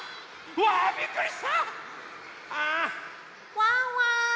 ワンワン